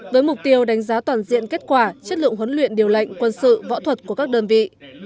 với mục tiêu đánh giá toàn diện kết quả chất lượng huấn luyện điều lệnh quân sự võ thuật của các đơn vị